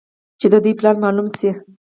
چې د دوى پلان مالوم سي.